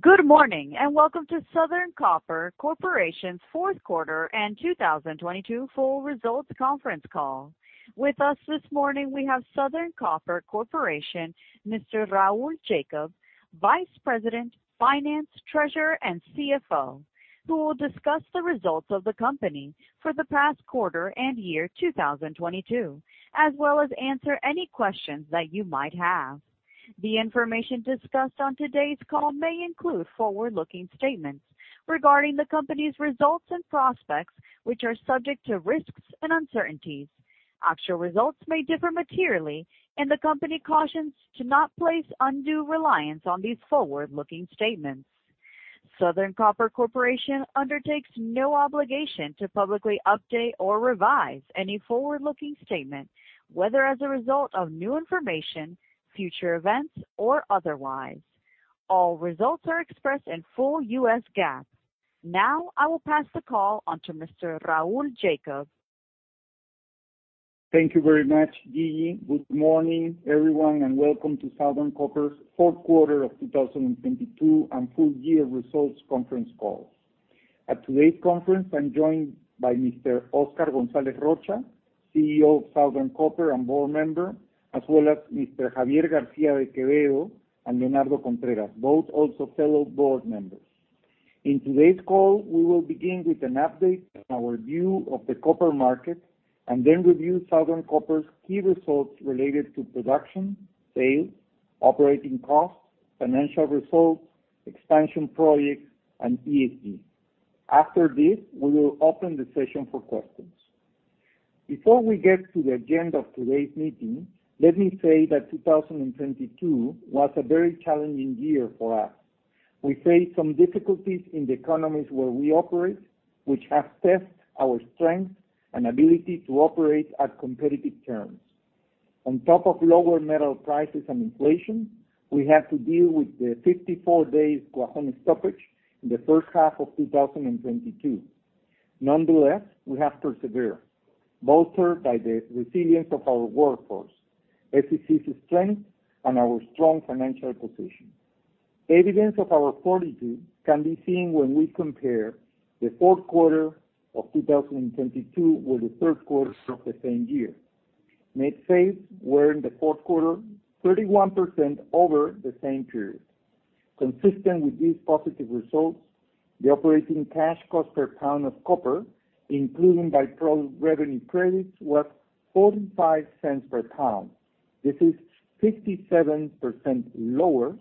Good morning. Welcome to Southern Copper Corporation's Fourth Quarter and 2022 Full Results Conference Call. With us this morning we have Southern Copper Corporation, Mr. Raul Jacob, Vice President, Finance, Treasurer, and CFO, who will discuss the results of the company for the past quarter and year 2022, as well as answer any questions that you might have. The information discussed on today's call may include forward-looking statements regarding the company's results and prospects, which are subject to risks and uncertainties. Actual results may differ materially. The company cautions to not place undue reliance on these forward-looking statements. Southern Copper Corporation undertakes no obligation to publicly update or revise any forward-looking statement, whether as a result of new information, future events, or otherwise. All results are expressed in full U.S. GAAP. Now I will pass the call on to Mr. Raul Jacob. Thank you very much, Gigi. Good morning, everyone, welcome to Southern Copper's fourth quarter of 2022 and full year results conference call. At today's conference, I'm joined by Mr. Oscar Gonzalez Rocha, CEO of Southern Copper and board member, as well as Mr. Xavier Garcia de Quevedo and Leonardo Contreras, both also fellow board members. In today's call, we will begin with an update on our view of the copper market and then review Southern Copper's key results related to production, sales, operating costs, financial results, expansion projects, and ESG. After this, we will open the session for questions. Before we get to the agenda of today's meeting, let me say that 2022 was a very challenging year for us. We faced some difficulties in the economies where we operate, which have tested our strength and ability to operate at competitive terms. On top of lower metal prices and inflation, we had to deal with the 54 days Toquepala stoppage in the first half of 2022. We have persevered, bolstered by the resilience of our workforce, SCC's strength, and our strong financial position. Evidence of our fortitude can be seen when we compare the fourth quarter of 2022 with the third quarter of the same year. Net sales were in the fourth quarter 31% over the same period. Consistent with these positive results, the operating cash cost per pound of copper, including by-product revenue credits, was $0.45 per pound. This is 57% lower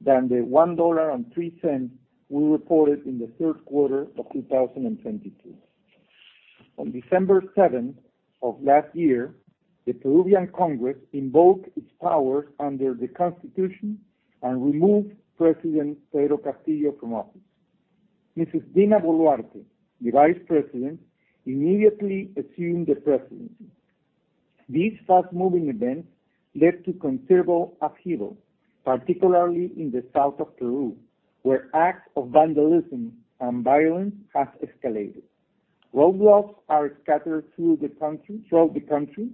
than the $1.03 we reported in the third quarter of 2022. On December seventh of last year, the Peruvian Congress invoked its powers under the Constitution and removed President Pedro Castillo from office. Mrs. Dina Boluarte, the vice president, immediately assumed the presidency. These fast-moving events led to considerable upheaval, particularly in the south of Peru, where acts of vandalism and violence have escalated. Roadblocks are scattered throughout the country,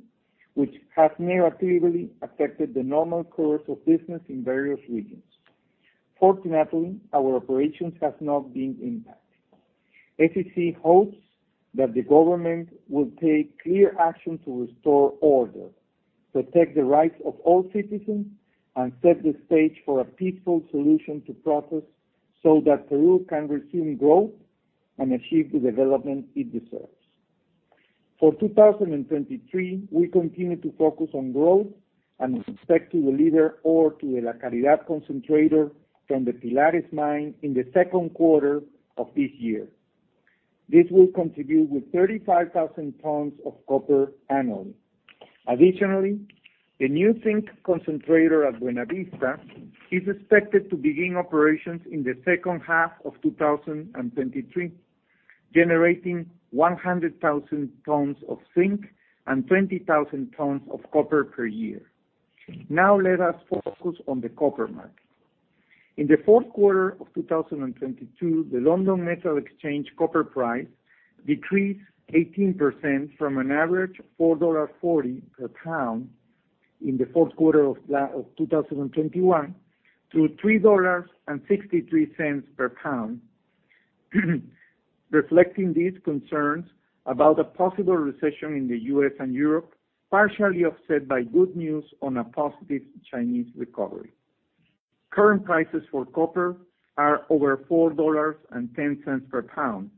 which has negatively affected the normal course of business in various regions. Fortunately, our operations have not been impacted. SCC hopes that the government will take clear action to restore order, protect the rights of all citizens, and set the stage for a peaceful solution to protests so that Peru can resume growth and achieve the development it deserves. For 2023, we continue to focus on growth and we expect to deliver ore to the La Caridad concentrator from the Pilares mine in the second quarter of this year. This will contribute with 35,000 tons of copper annually. Additionally, the new zinc concentrator at Buenavista is expected to begin operations in the second half of 2023, generating 100,000 tons of zinc and 20,000 tons of copper per year. Now let us focus on the copper market. In the fourth quarter of 2022, the London Metal Exchange copper price decreased 18% from an average of $4.40 per pound in the fourth quarter of 2021 to $3.63 per pound, reflecting these concerns about a possible recession in the U.S. and Europe, partially offset by good news on a positive Chinese recovery. Current prices for copper are over $4.10 per pound,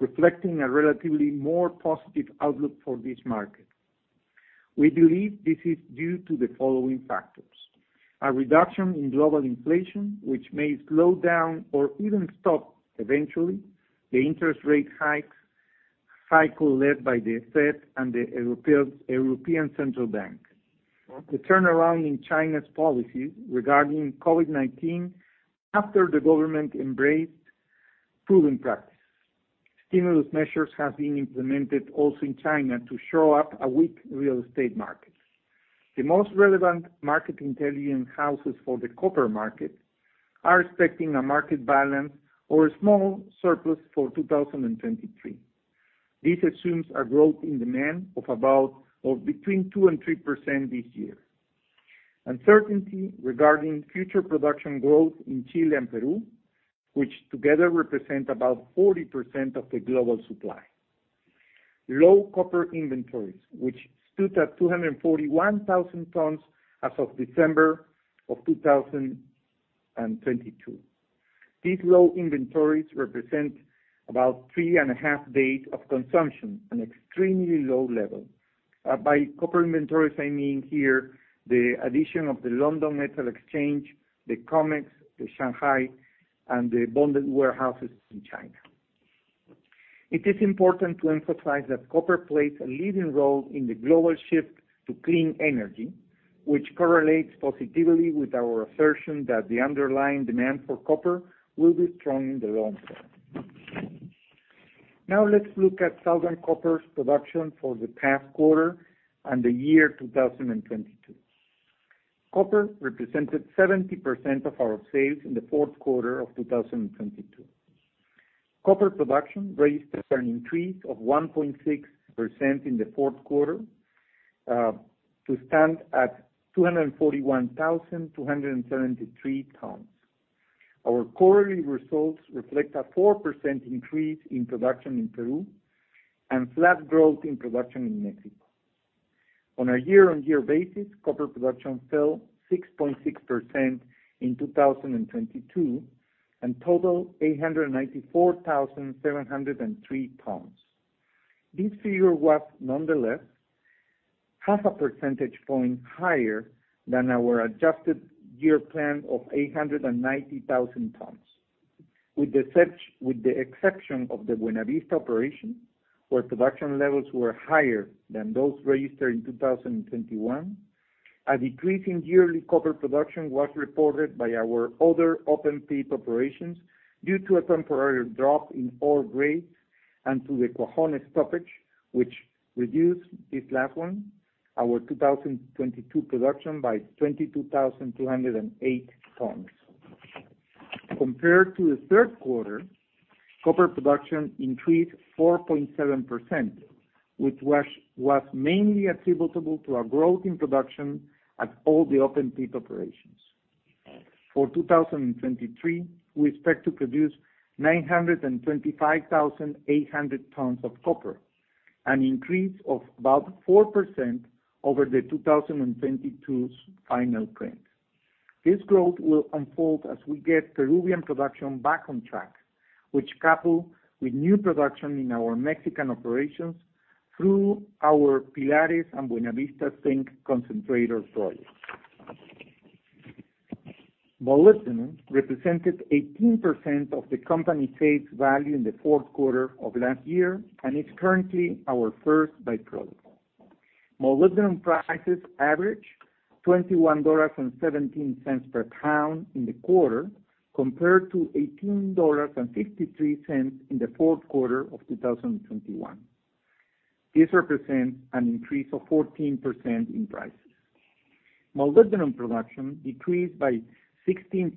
reflecting a relatively more positive outlook for this market. We believe this is due to the following factors. A reduction in global inflation, which may slow down or even stop eventually the interest rate hike cycle led by the Fed and the European Central Bank. The turnaround in China's policy regarding COVID-19 after the government embraced proven practice. Stimulus measures have been implemented also in China to shore up a weak real estate market. The most relevant market intelligence houses for the copper market are expecting a market balance or a small surplus for 2023. This assumes a growth in demand between 2% and 3% this year. Uncertainty regarding future production growth in Chile and Peru, which together represent about 40% of the global supply. Low copper inventories, which stood at 241,000 tons as of December of 2022. These low inventories represent about three and a half days of consumption, an extremely low level. By copper inventories, I mean here the addition of the London Metal Exchange, the COMEX, the Shanghai, and the bonded warehouses in China. It is important to emphasize that copper plays a leading role in the global shift to clean energy, which correlates positively with our assertion that the underlying demand for copper will be strong in the long term. Now let's look at Southern Copper's production for the past quarter and the year 2022. Copper represented 70% of our sales in the fourth quarter of 2022. Copper production registered an increase of 1.6% in the fourth quarter to stand at 241,273 tons. Our quarterly results reflect a 4% increase in production in Peru and flat growth in production in Mexico. On a year-on-year basis, copper production fell 6.6% in 2022, and totaled 894,703 tons. This figure was nonetheless half a percentage point higher than our adjusted year plan of 890,000 tons. With the exception of the Buenavista operation, where production levels were higher than those registered in 2021, a decrease in yearly copper production was reported by our other open pit operations due to a temporary drop in ore grades and to the Cuajone stoppage, which reduced this last one, our 2022 production, by 22,208 tons. Compared to the third quarter, copper production increased 4.7%, which was mainly attributable to a growth in production at all the open pit operations. For 2023, we expect to produce 925,800 tons of copper, an increase of about 4% over the 2022's final count. This growth will unfold as we get Peruvian production back on track, which coupled with new production in our Mexican operations through our Pilares and Buenavista zinc concentrator project. Molybdenum represented 18% of the company sales value in the fourth quarter of last year and is currently our first by-product. Molybdenum prices averaged $21.17 per pound in the quarter, compared to $18.53 in the fourth quarter of 2021. This represents an increase of 14% in prices. Molybdenum production decreased by 16%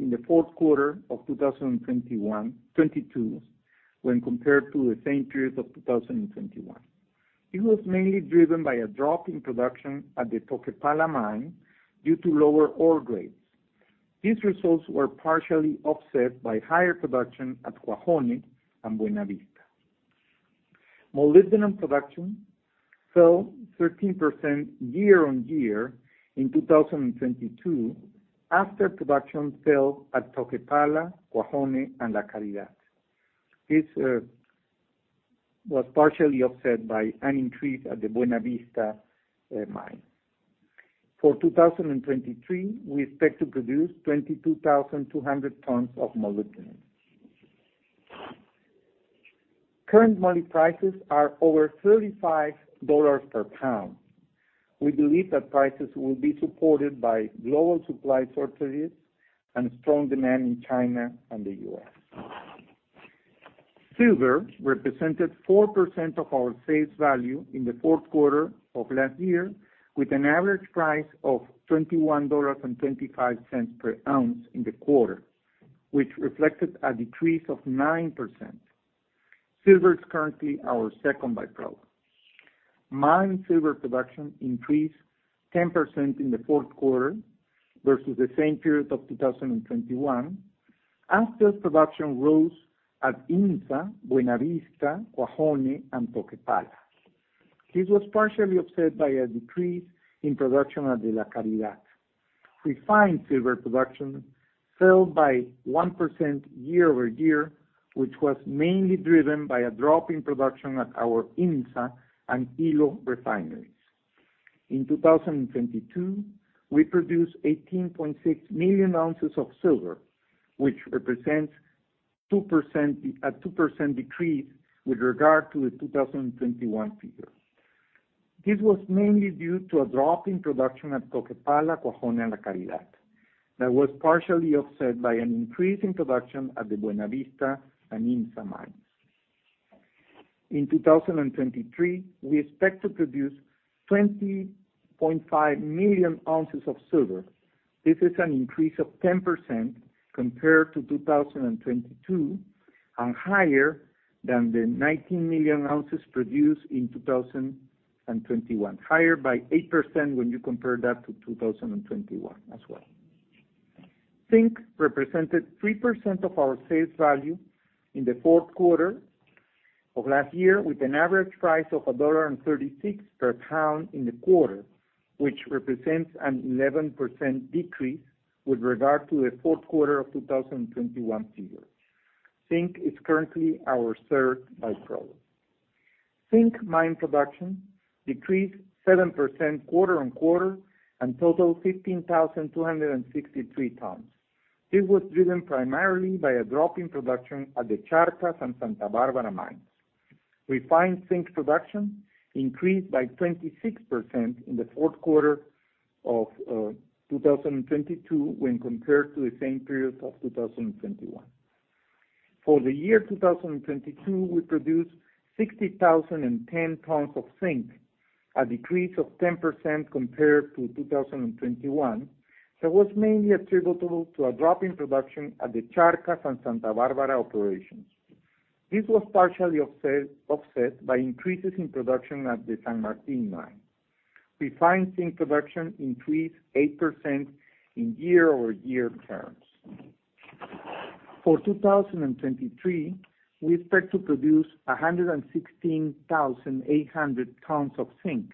in the fourth quarter of 2022, when compared to the same period of 2021. It was mainly driven by a drop in production at the Toquepala mine due to lower ore grades. These results were partially offset by higher production at Cuajone and Buenavista. Molybdenum production fell 13% year-over-year in 2022 after production fell at Toquepala, Cuajone, and La Caridad. This was partially offset by an increase at the Buenavista mine. For 2023, we expect to produce 22,200 tons of molybdenum. Current moly prices are over $35 per pound. We believe that prices will be supported by global supply shortages and strong demand in China and the U.S. Silver represented 4% of our sales value in the fourth quarter of last year, with an average price of $21.25 per ounce in the quarter, which reflected a decrease of 9%. Silver is currently our second by-product. Mine silver production increased 10% in the fourth quarter versus the same period of 2021 after production rose at IMMSA, Buenavista, Cuajone, and Toquepala. This was partially offset by a decrease in production at the La Caridad. Refined silver production fell by 1% year-over-year, which was mainly driven by a drop in production at our IMMSA and Ilo refineries. In 2022, we produced 18.6 million ounces of silver, which represents 2%-- a 2% decrease with regard to the 2021 figure. This was mainly due to a drop in production at Toquepala, Cuajone, and La Caridad that was partially offset by an increase in production at the Buenavista and IMMSA mines. In 2023, we expect to produce 20.5 million ounces of silver. This is an increase of 10% compared to 2022, higher than the 19 million ounces produced in 2021. Higher by 8% when you compare that to 2021 as well. Zinc represented 3% of our sales value in the fourth quarter of last year, with an average price of $1.36 per pound in the quarter, which represents an 11% decrease with regard to the fourth quarter of 2021 figure. Zinc is currently our third by-product. Zinc mine production decreased 7% quarter on quarter and totaled 15,263 tons. This was driven primarily by a drop in production at the Charcas and Santa Barbara mines. Refined zinc production increased by 26% in the fourth quarter of 2022 when compared to the same period of 2021. For the year 2022, we produced 60,010 tons of zinc, a decrease of 10% compared to 2021. That was mainly attributable to a drop in production at the Charcas and Santa Barbara operations. This was partially offset by increases in production at the San Martin mine. Refined zinc production increased 8% in year-over-year terms. For 2023, we expect to produce 116,800 tons of zinc,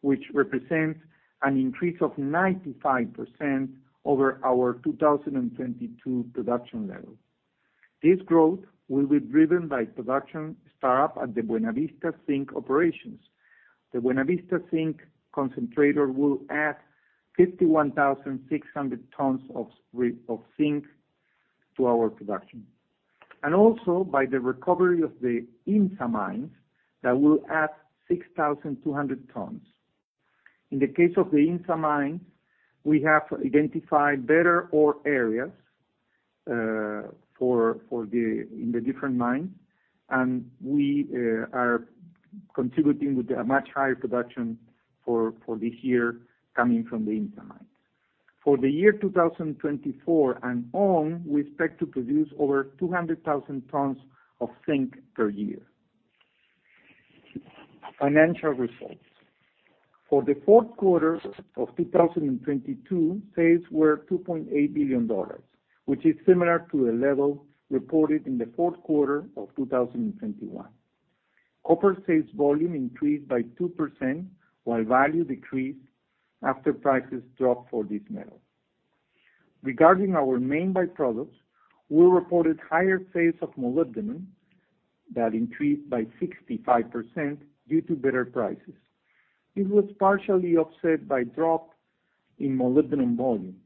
which represents an increase of 95% over our 2022 production level. This growth will be driven by production start up at the Buenavista zinc operations. The Buenavista zinc concentrator will add 51,600 tons of zinc to our production. Also by the recovery of the IMMSA mines, that will add 6,200 tons. In the case of the IMMSA mines, we have identified better ore areas in the different mines, we are contributing with a much higher production for this year coming from the IMMSA mines. For the year 2024 and on, we expect to produce over 200,000 tons of zinc per year. Financial results. For the fourth quarter of 2022, sales were $2.8 billion, which is similar to the level reported in the fourth quarter of 2021. Copper sales volume increased by 2%, while value decreased after prices dropped for this metal. Regarding our main by-products, we reported higher sales of molybdenum that increased by 65% due to better prices. It was partially offset by drop in molybdenum volume.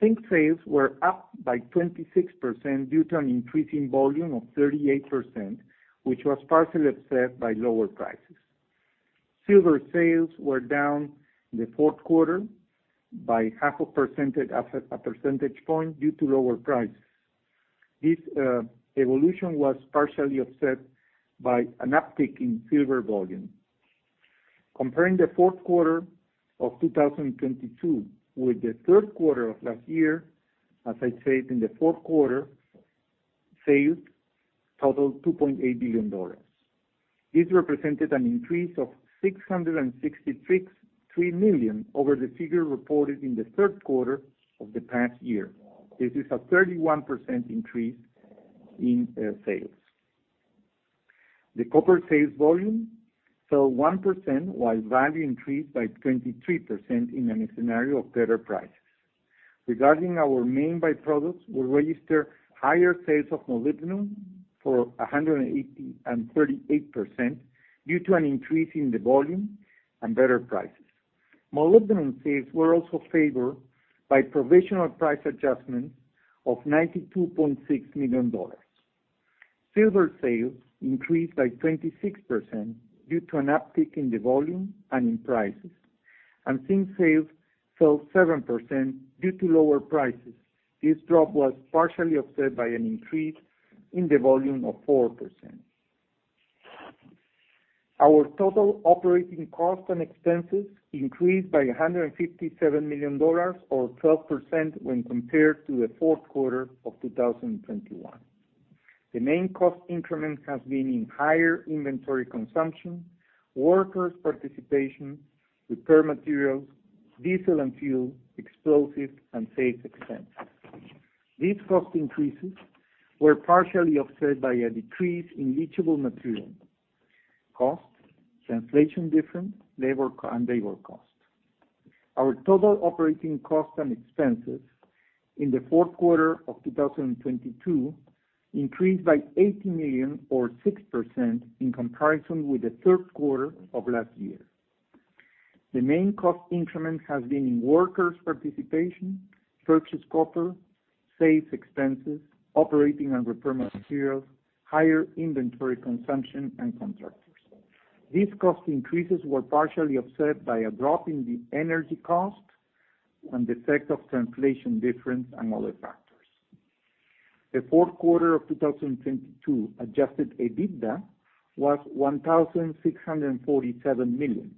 Zinc sales were up by 26% due to an increase in volume of 38%, which was partially offset by lower prices. Silver sales were down in the fourth quarter by half a percentage, a percentage point due to lower prices. This evolution was partially offset by an uptick in silver volume. Comparing the fourth quarter of 2022 with the third quarter of last year, as I said in the fourth quarter, sales totaled $2.8 billion. This represented an increase of six hundred and sixty-six three million over the figure reported in the third quarter of the past year. This is a 31% increase in sales. The copper sales volume fell 1%, while value increased by 23% in a scenario of better prices. Regarding our main by-products, we registered higher sales of molybdenum for 180% and 38% due to an increase in the volume and better prices. Molybdenum sales were also favored by provisional price adjustments of $92.6 million. Silver sales increased by 26% due to an uptick in the volume and in prices. Zinc sales fell 7% due to lower prices. This drop was partially offset by an increase in the volume of 4%. Our total operating costs and expenses increased by $157 million or 12% when compared to the fourth quarter of 2021. The main cost increment has been in higher inventory consumption, workers participation, repair materials, diesel and fuel, explosives, and safe expense. These cost increases were partially offset by a decrease in leachable material costs, translation difference, labor cost. Our total operating costs and expenses in the fourth quarter of 2022 increased by $80 million or 6% in comparison with the third quarter of last year. The main cost increment has been in workers participation, purchased copper, safe expenses, operating and repair materials, higher inventory consumption, and contractors. These cost increases were partially offset by a drop in the energy cost and the effect of translation difference and other factors. The fourth quarter of 2022 adjusted EBITDA was $1,647 million,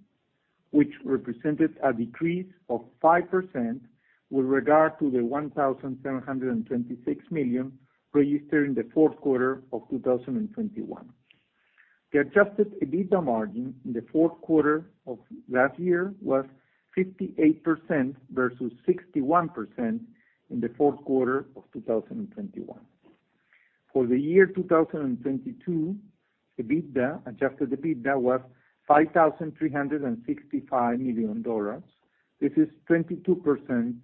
which represented a decrease of 5% with regard to the $1,726 million registered in the fourth quarter of 2021. The adjusted EBITDA margin in the fourth quarter of last year was 58% versus 61% in the fourth quarter of 2021. For the year 2022, the EBITDA, adjusted EBITDA was $5,365 million. This is 22%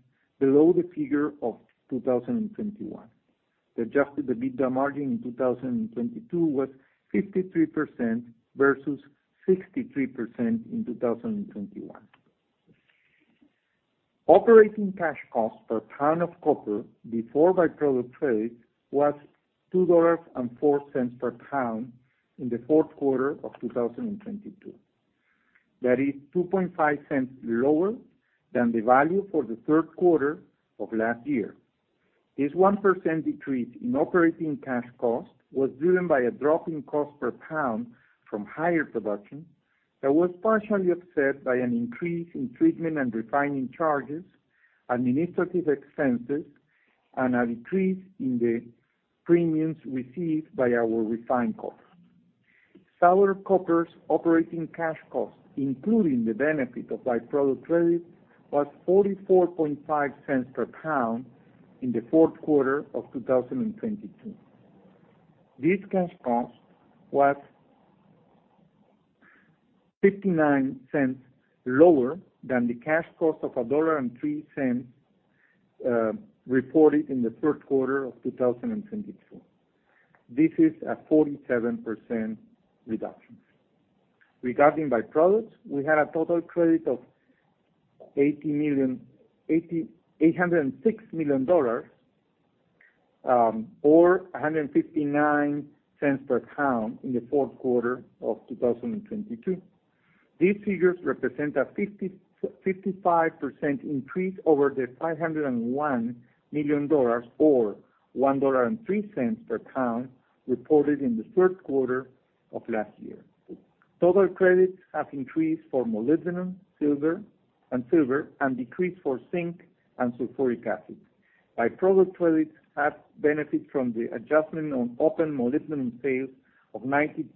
below the figure of 2021. The adjusted EBITDA margin in 2022 was 53% versus 63% in 2021. Operating cash costs per ton of copper before by-product credit was $2.04 per pound in the fourth quarter of 2022. That is $0.025 lower than the value for the third quarter of last year. This 1% decrease in operating cash cost was driven by a drop in cost per pound from higher production that was partially offset by an increase in treatment and refining charges, administrative expenses, and a decrease in the premiums received by our refined copper. Southern Copper's operating cash costs, including the benefit of by-product credit, was $0.445 per pound in the fourth quarter of 2022. This cash cost was $0.59 lower than the cash cost of $1.03 reported in the third quarter of 2022. This is a 47% reduction. Regarding by-products, we had a total credit of $806 million, or $1.59 per pound in the fourth quarter of 2022. These figures represent a 55% increase over the $501 million or $1.03 per pound reported in the third quarter of last year. Total credits have increased for molybdenum, silver, and silver, and decreased for zinc and sulfuric acid. By-product credits have benefit from the adjustment on open molybdenum sales of $93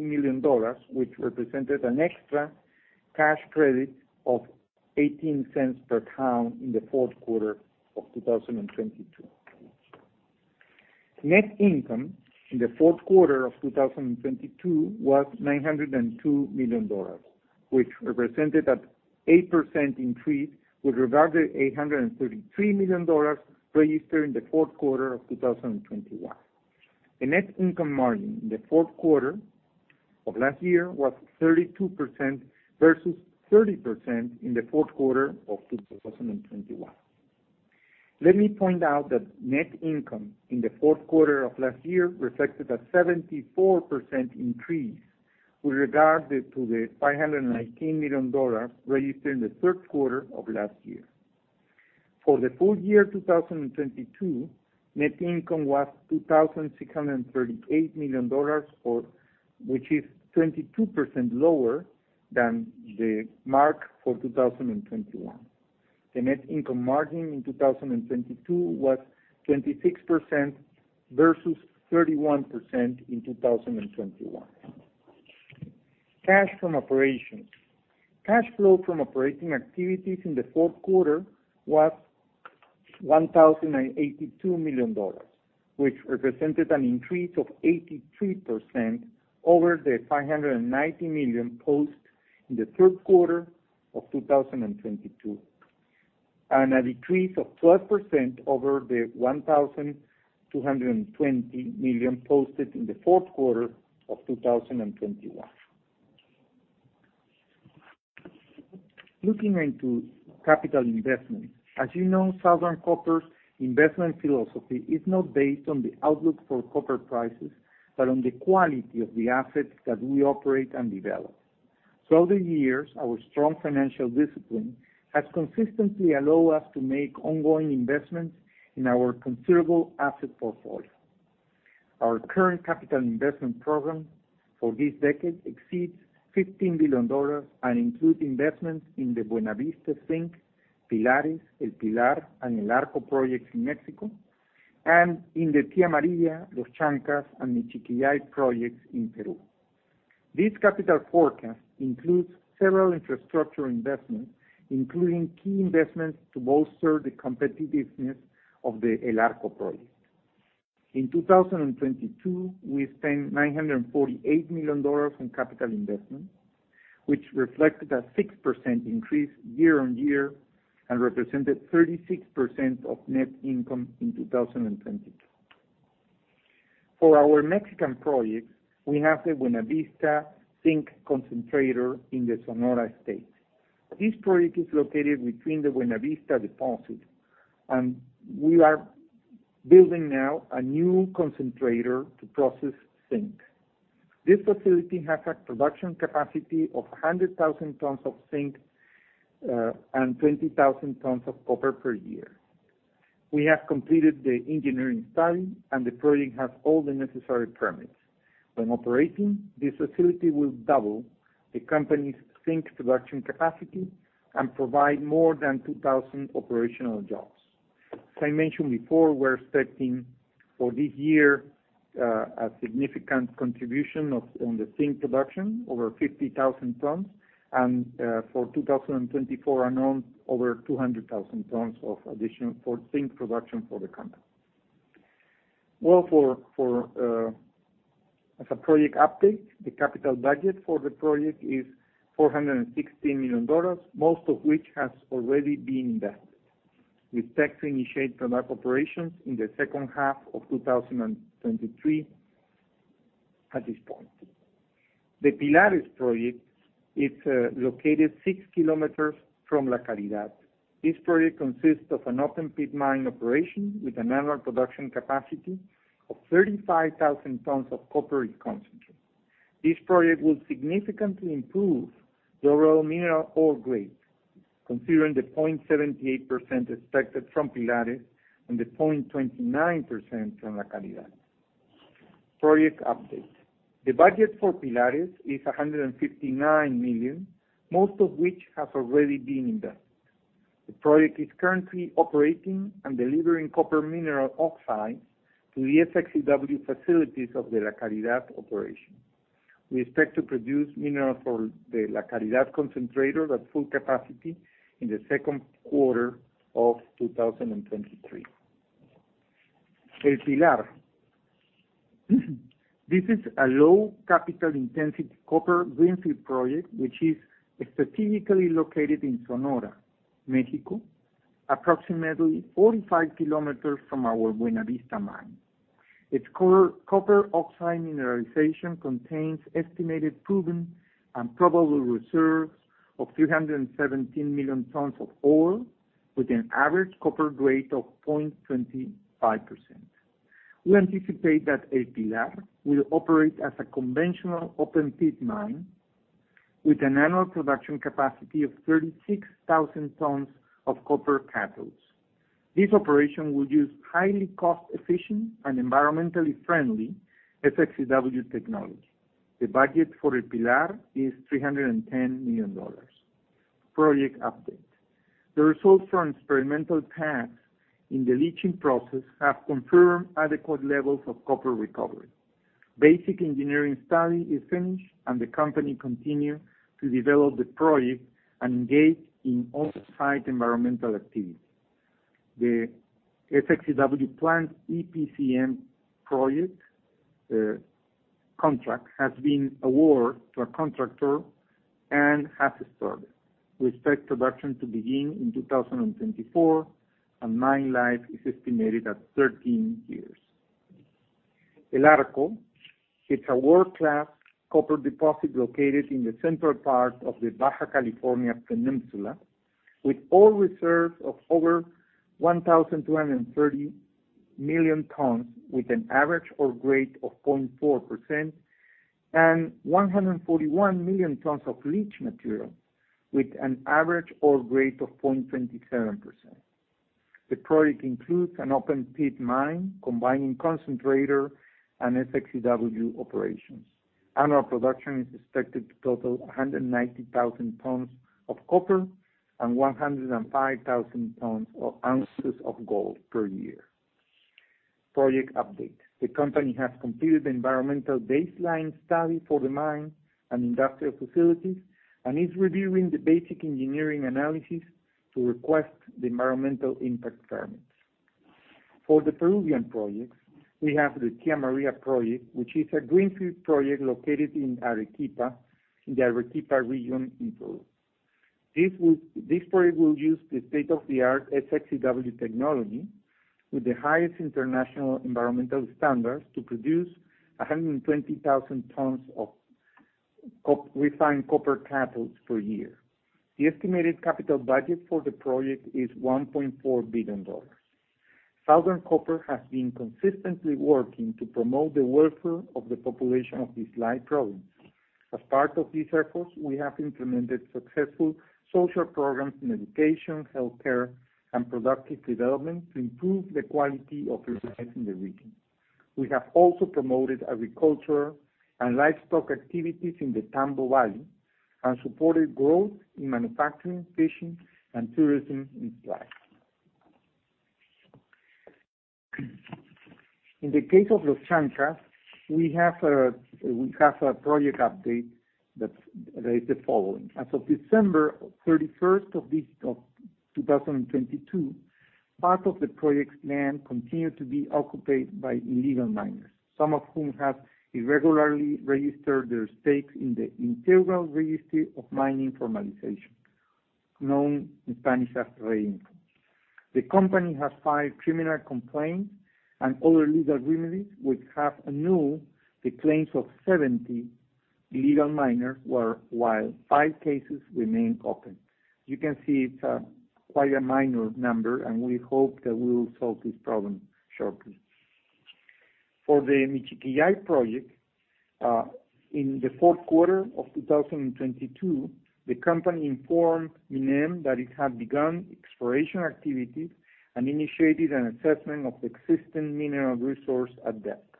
million, which represented an extra cash credit of $0.18 per pound in the fourth quarter of 2022. Net income in the fourth quarter of 2022 was $902 million, which represented an 8% increase with regard to $833 million registered in the fourth quarter of 2021. The net income margin in the fourth quarter of last year was 32% versus 30% in the fourth quarter of 2021. Let me point out that net income in the fourth quarter of last year reflected a 74% increase with regard to the $519 million registered in the third quarter of last year. For the full year 2022, net income was $2,338 million which is 22% lower than the mark for 2021. The net income margin in 2022 was 26% versus 31% in 2021. Cash from operations. Cash flow from operating activities in the fourth quarter was $1,082 million, which represented an increase of 83% over the $590 million posted in the third quarter of 2022, and a decrease of 12% over the $1,220 million posted in the fourth quarter of 2021. Looking into capital investment. As you know, Southern Copper's investment philosophy is not based on the outlook for copper prices, but on the quality of the assets that we operate and develop. Throughout the years, our strong financial discipline has consistently allow us to make ongoing investments in our considerable asset portfolio. Our current capital investment program for this decade exceeds $15 billion and includes investments in the Buenavista Zinc, Pilares, El Pilar, and El Arco projects in Mexico, and in the Tia Maria, Los Chankas, and Michiquillay projects in Peru. This capital forecast includes several infrastructure investments, including key investments to bolster the competitiveness of the El Arco project. In 2022, we spent $948 million on capital investment, which reflected a 6% increase year-over-year and represented 36% of net income in 2022. For our Mexican projects, we have the Buenavista Zinc Concentrator in the Sonora State. This project is located between the Buenavista deposit, and we are building now a new concentrator to process zinc. This facility has a production capacity of 100,000 tons of zinc and 20,000 tons of copper per year. We have completed the engineering study, and the project has all the necessary permits. When operating, this facility will double the company's zinc production capacity and provide more than 2,000 operational jobs. As I mentioned before, we're expecting for this year, a significant contribution of, on the zinc production, over 50,000 tons, and for 2024 and on, over 200,000 tons of additional for zinc production for the company. As a project update, the capital budget for the project is $460 million, most of which has already been invested. We expect to initiate product operations in the second half of 2023 at this point. The Pilares project is located 6 kilometers from La Caridad. This project consists of an open pit mine operation with an annual production capacity of 35,000 tons of copper concentrates. This project will significantly improve the overall mineral ore grade, considering the 0.78% expected from Pilares and the 0.29% from La Caridad. Project update. The budget for Pilares is $159 million, most of which has already been invested. The project is currently operating and delivering copper mineral oxide to the SXEW facilities of the La Caridad operation. We expect to produce mineral for the La Caridad concentrator at full capacity in the second quarter of 2023. El Pilar. This is a low capital intensity copper greenfield project, which is strategically located in Sonora, Mexico, approximately 45 km from our Buenavista mine. Its copper oxide mineralization contains estimated proven and probable reserves of 317 million tons of ore, with an average copper grade of 0.25%. We anticipate that El Pilar will operate as a conventional open pit mine with an annual production capacity of 36,000 tons of copper cathodes. This operation will use highly cost-efficient and environmentally friendly SXEW technology. The budget for El Pilar is $310 million. Project update. The results from experimental tests in the leaching process have confirmed adequate levels of copper recovery. Basic engineering study is finished, and the company continue to develop the project and engage in off-site environmental activities. The SXEW plant EPCM project contract has been awarded to a contractor and has started. We expect production to begin in 2024. Mine life is estimated at 13 years. El Arco is a world-class copper deposit located in the central part of the Baja California Peninsula, with ore reserves of over 1,230 million tons, with an average ore grade of 0.4%, and 141 million tons of leach material, with an average ore grade of 0.27%. The project includes an open pit mine combining concentrator and SXEW operations. Annual production is expected to total 190,000 tons of copper and 105,000 tons of ounces of gold per year. Project update. The company has completed the environmental baseline study for the mine and industrial facilities and is reviewing the basic engineering analysis to request the environmental impact permits. For the Peruvian projects, we have the Tia Maria project, which is a greenfield project located in Arequipa, in the Arequipa region in Peru. This project will use the state-of-the-art SXEW technology with the highest international environmental standards to produce 120,000 tons of refined copper cathodes per year. The estimated capital budget for the project is $1.4 billion. Southern Copper has been consistently working to promote the welfare of the population of the Islay province. As part of these efforts, we have implemented successful social programs in education, healthcare, and productive development to improve the quality of life in the region. We have also promoted agriculture and livestock activities in the Tambo Valley and supported growth in manufacturing, fishing, and tourism in Islay. In the case of Los Chankas, we have a project update that's the following. As of December 31st of this, of 2022, part of the project's land continued to be occupied by illegal miners, some of whom have irregularly registered their stakes in the Integral Registry of Mining Formalization, known in Spanish as REINFO. The company has filed criminal complaints and other legal remedies, which have annulled the claims of 70 illegal miners, while five cases remain open. You can see it's quite a minor number, and we hope that we will solve this problem shortly. For the Michiquillay project, in the fourth quarter of 2022, the company informed MINEM that it had begun exploration activities and initiated an assessment of existing mineral resource at depth.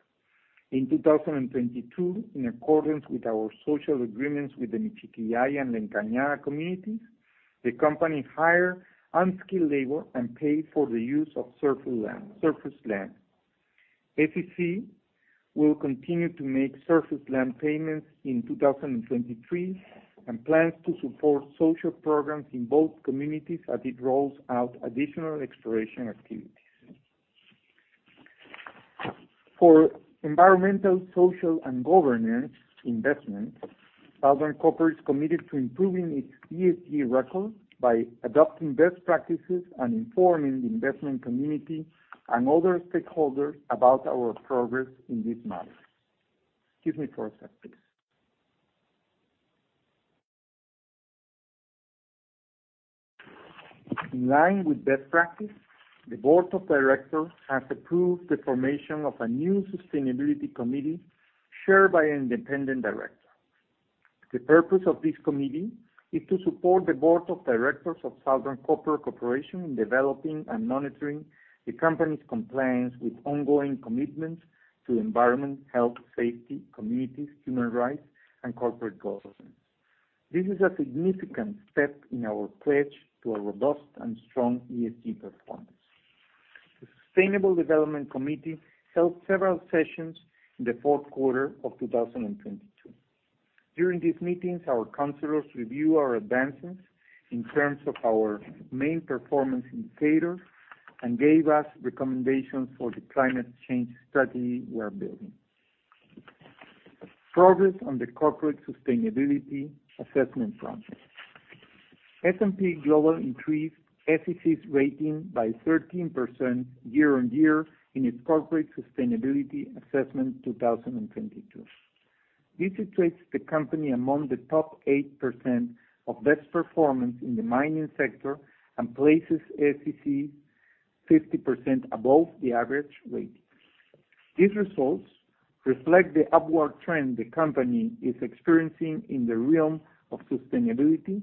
In 2022, in accordance with our social agreements with the Michiquillay and Lincana communities, the company hire unskilled labor and pay for the use of surface land. SCC will continue to make surface land payments in 2023 and plans to support social programs in both communities as it rolls out additional exploration activities. For environmental, social and governance investment, Southern Copper is committed to improving its ESG record by adopting best practices and informing the investment community and other stakeholders about our progress in this matter. Excuse me for a second, please. In line with best practice, the board of directors has approved the formation of a new sustainability committee chaired by an independent director. The purpose of this committee is to support the board of directors of Southern Copper Corporation in developing and monitoring the company's compliance with ongoing commitments to environment, health, safety, communities, human rights and corporate governance. This is a significant step in our pledge to a robust and strong ESG performance. The Sustainable Development Committee held several sessions in the fourth quarter of 2022. During these meetings, our counselors review our advances in terms of our main performance indicators and gave us recommendations for the climate change strategy we are building. Progress on the Corporate Sustainability Assessment front. S&P Global increased SCC's rating by 13% year-on-year in its Corporate Sustainability Assessment 2022. This situates the company among the top 8% of best performance in the mining sector and places SCC 50% above the average rate. These results reflect the upward trend the company is experiencing in the realm of sustainability.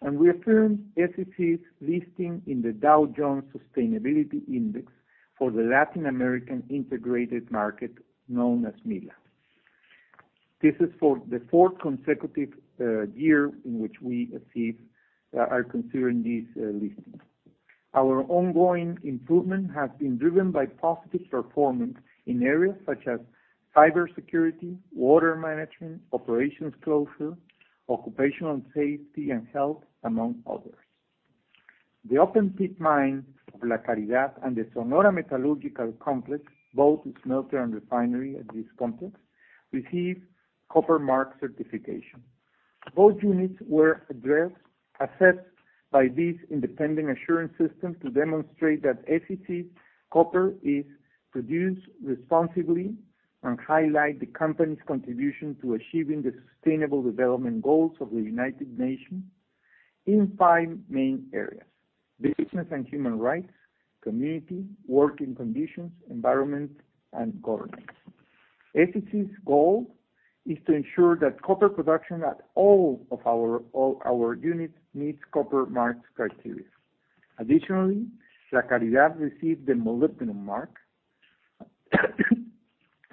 We affirm SCC's listing in the Dow Jones Sustainability Index for the Latin American integrated market known as MILA. This is for the fourth consecutive year in which we are considering these listings. Our ongoing improvement has been driven by positive performance in areas such as cybersecurity, water management, operations closure, occupational safety and health, among others. The open pit mine of La Caridad and the Sonora Metallurgical Complex, both smelter and refinery at this complex, receive Copper Mark certification. Both units were assessed by these independent assurance systems to demonstrate that SCC copper is produced responsibly and highlight the company's contribution to achieving the Sustainable Development Goals of the United Nations in five main areas: business and human rights, community, working conditions, environment, and governance. SCC's goal is to ensure that copper production at all of our units meets Copper Mark's criteria. Additionally, La Caridad received the Molybdenum Mark.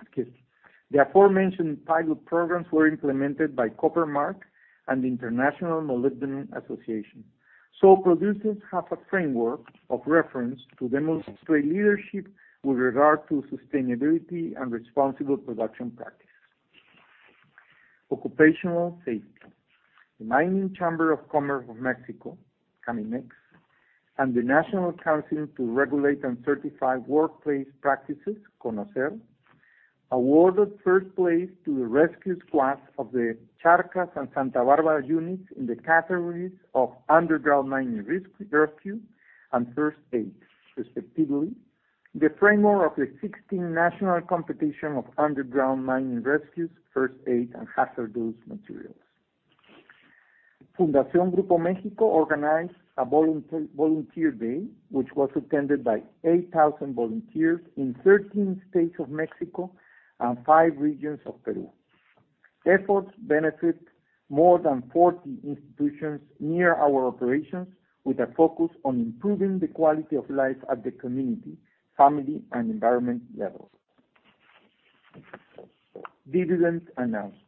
Excuse me. The aforementioned pilot programs were implemented by Copper Mark and the International Molybdenum Association, producers have a framework of reference to demonstrate leadership with regard to sustainability and responsible production practice. Occupational safety. The Mining Chamber of Commerce of Mexico, CAMIMEX, and the National Council to Regulate and Certify Workplace Practices, CONOCER, awarded first place to the rescue squads of the Charcas and Santa Barbara units in the categories of underground mining risk rescue and first aid, respectively. The framework of the 16th national competition of underground mining rescues, first aid, and hazardous materials. Fundación Grupo México organized a volunteer day, which was attended by 8,000 volunteers in 13 states of Mexico and 5 regions of Peru. Efforts benefit more than 40 institutions near our operations, with a focus on improving the quality of life at the community, family, and environment levels. Dividends announcement.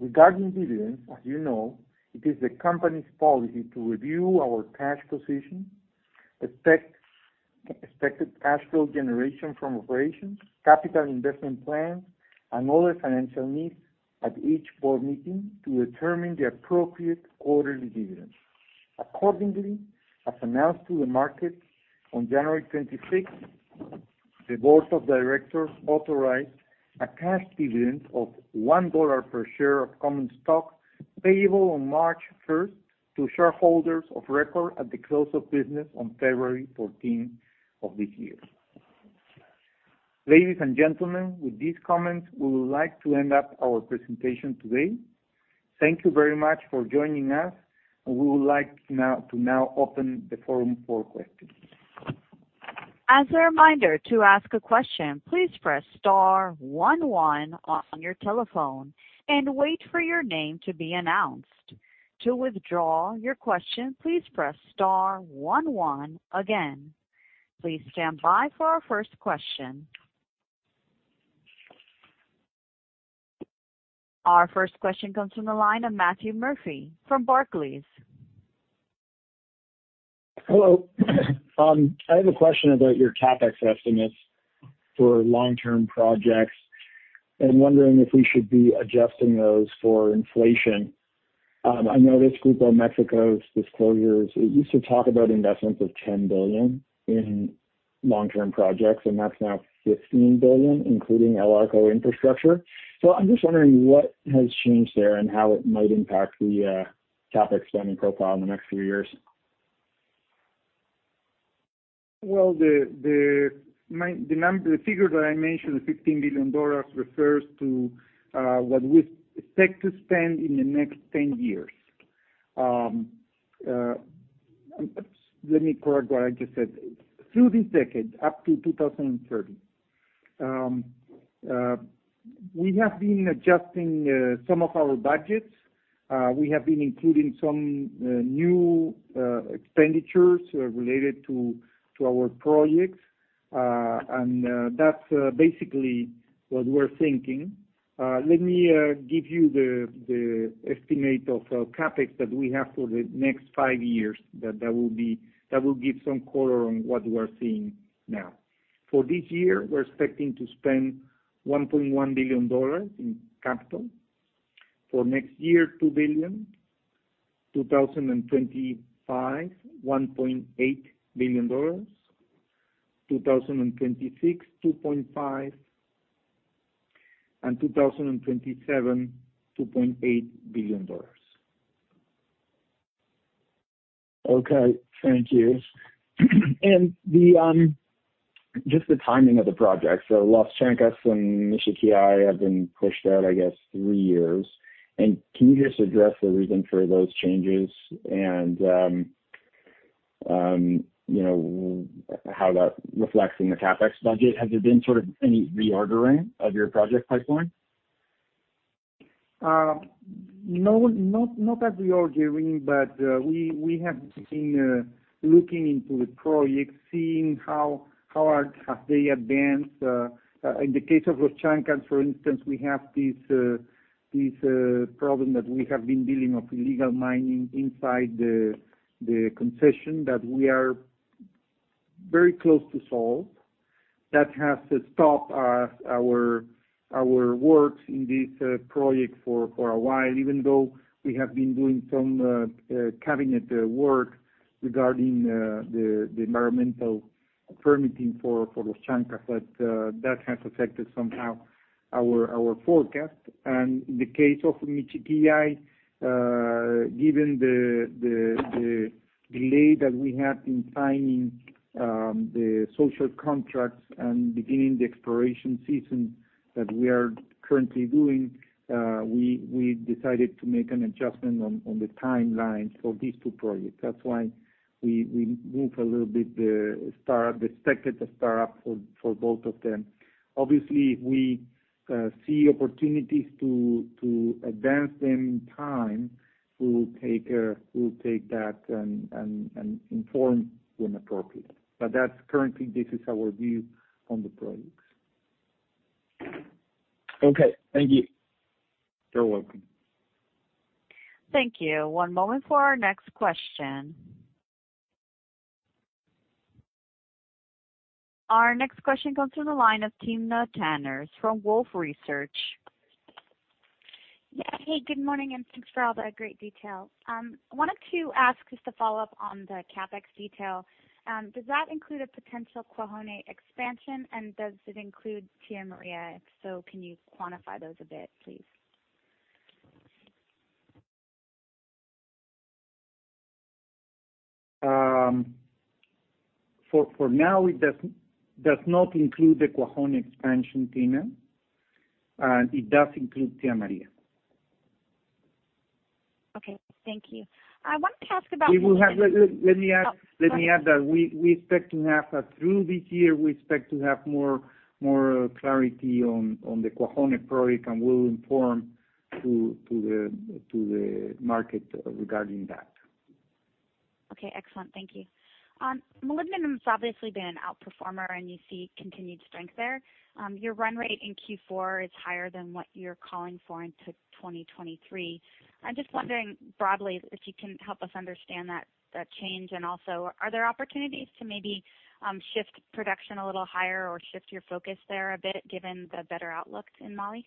Regarding dividends, as you know, it is the company's policy to review our cash position, expected cash flow generation from operations, capital investment plans, and other financial needs at each board meeting to determine the appropriate quarterly dividends. As announced to the market on January 26th, the board of directors authorized a cash dividend of $1 per share of common stock payable on March 1st to shareholders of record at the close of business on February 14th of this year. Ladies and gentlemen, with these comments, we would like to end up our presentation today. Thank you very much for joining us. We would like now open the forum for questions. As a reminder, to ask a question, please press star one one on your telephone and wait for your name to be announced. To withdraw your question, please press star one one again. Please stand by for our first question. Our first question comes from the line of Matthew Murphy from Barclays. Hello. I have a question about your CapEx estimates for long-term projects. I'm wondering if we should be adjusting those for inflation. I know that Grupo México's disclosures, it used to talk about investments of $10 billion in long-term projects, and that's now $15 billion, including El Arco infrastructure. I'm just wondering what has changed there and how it might impact the CapEx spending profile in the next few years. What I mentioned, the $15 billion, refers to what we expect to spend in the next 10 years. Let me correct what I just said. Through this decade, up to 2030. We have been adjusting some of our budgets. We have been including some new expenditures related to our projects. That's basically what we're thinking. Let me give you the estimate of CapEx that we have for the next 5 years. That will give some color on what we're seeing now. For this year, we're expecting to spend $1.1 billion in capital. For next year, $2 billion. 2025, $1.8 billion. 2026, $2.5 billion. 2027, $2.8 billion. Okay. Thank you. The, just the timing of the project. Los Chancas and Michiquillay have been pushed out, I guess, 3 years. Can you just address the reason for those changes and, you know, how that reflects in the CapEx budget? Has there been sort of any reordering of your project pipeline? no, not a reordering, but we have been looking into the project, seeing how have they advanced. In the case of Los Chancas, for instance, we have this problem that we have been dealing of illegal mining inside the concession that we are very close to solve. That has to stop our works in this project for a while, even though we have been doing some cabinet work regarding the environmental permitting for Los Chancas. That has affected somehow our forecast. In the case of Michiquillay, given the delay that we have in signing the social contracts and beginning the exploration season that we are currently doing, we decided to make an adjustment on the timelines for these two projects. That's why we move a little bit the startup, the expected startup for both of them. Obviously, if we see opportunities to advance them in time, we'll take that and inform when appropriate. That's currently this is our view on the projects. Okay, thank you. You're welcome. Thank you. One moment for our next question. Our next question comes from the line of Timna Tanners from Wolfe Research. Yeah. Hey, good morning, and thanks for all the great detail. Wanted to ask just a follow-up on the CapEx detail. Does that include a potential Cuajone expansion, and does it include Tia Maria? If so, can you quantify those a bit, please? For now, it does not include the Cuajone expansion, Tina. It does include Tia Maria. Okay. Thank you. I wanted to ask. Let me add- Oh, sorry. Let me add that we expect to have that through this year. We expect to have more clarity on the Cuajone project, and we'll inform to the market regarding that. Okay. Excellent. Thank you. Molybdenum has obviously been an outperformer, and you see continued strength there. Your run rate in Q4 is higher than what you're calling for into 2023. I'm just wondering broadly if you can help us understand that change. Also, are there opportunities to maybe shift production a little higher or shift your focus there a bit given the better outlooks in moly?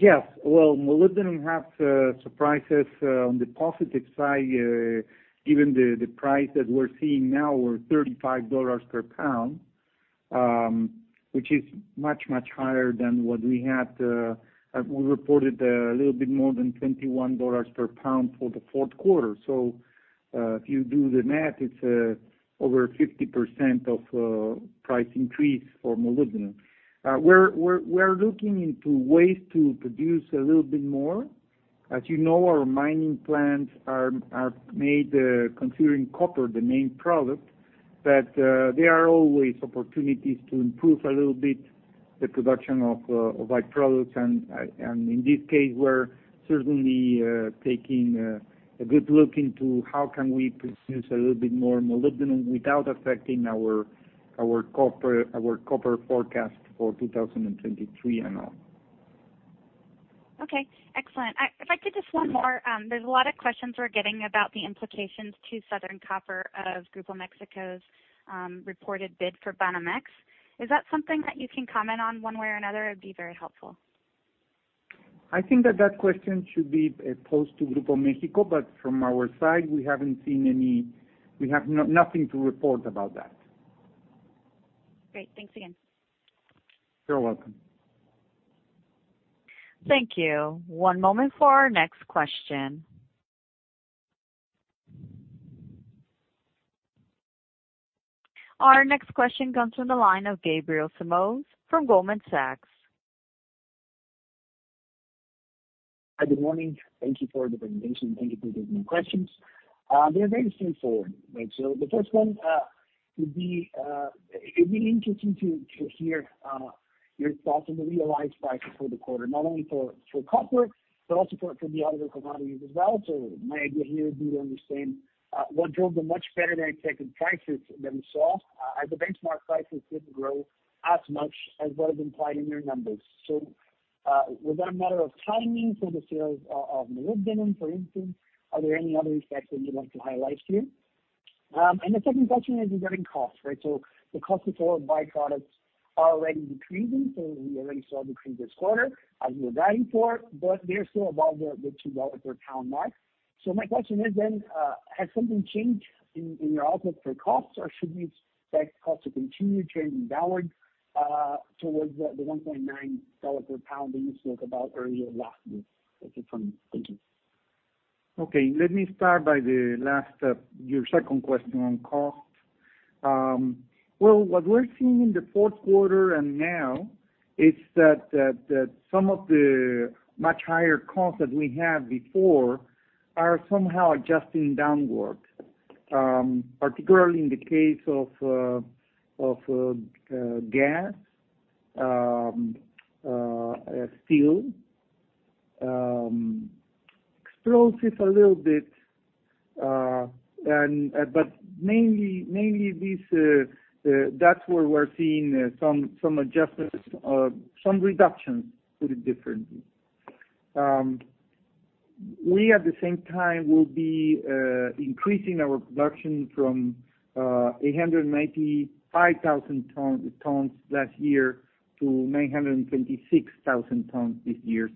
Molybdenum has surprised us on the positive side, given the price that we're seeing now, we're $35 per pound, which is much, much higher than what we had, we reported a little bit more than $21 per pound for the fourth quarter. If you do the math, it's over 50% of price increase for molybdenum. We're looking into ways to produce a little bit more. As you know, our mining plans are made considering copper the main product, but there are always opportunities to improve a little bit the production of by-products. In this case, we're certainly taking a good look into how can we produce a little bit more molybdenum without affecting our copper, our copper forecast for 2023 and on. Okay. Excellent. If I could just one more. There's a lot of questions we're getting about the implications to Southern Copper of Grupo México's reported bid for Banamex. Is that something that you can comment on one way or another? It'd be very helpful. I think that that question should be posed to Grupo México. From our side, we haven't seen any. We have nothing to report about that. Great. Thanks again. You're welcome. Thank you. One moment for our next question. Our next question comes from the line of [Gabriel Simões] from Goldman Sachs. Hi, good morning. Thank you for the presentation. Thank you for taking the questions. They're very straightforward, right? The first one would be, it'd be interesting to hear your thoughts on the realized prices for the quarter. Not only for copper, but also for the other commodities as well. My idea here would be to understand what drove the much better-than-expected prices that we saw as the benchmark prices didn't grow as much as what is implied in your numbers. Was that a matter of timing for the sales of molybdenum, for instance? Are there any other effects that you'd like to highlight here? The second question is regarding costs, right? The cost of sold by-products are already decreasing, so we already saw a decrease this quarter as you were guiding for, but they're still above the $2 per pound mark. My question is then, has something changed in your outlook for costs, or should we expect costs to continue trending downward, towards the $1.9 per pound that you spoke about earlier last week? That's it from me. Thank you. Okay, let me start by the last, your second question on costs. Well, what we're seeing in the fourth quarter and now is that some of the much higher costs that we had before are somehow adjusting downward, particularly in the case of gas, steel, explosives a little bit. Mainly these, that's where we're seeing some adjustments or some reductions, put it differently. We, at the same time, will be increasing our production from 895,000 tons last year to 926,000 tons this year.